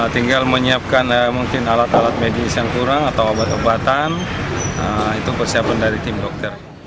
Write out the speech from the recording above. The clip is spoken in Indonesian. tinggal menyiapkan mungkin alat alat medis yang kurang atau obat obatan itu persiapan dari tim dokter